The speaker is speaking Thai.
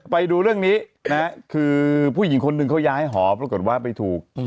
ไปดูเรื่องนี้นะคือผู้หญิงคนหนึ่งเขาย้ายหอปรากฏว่าไปถูก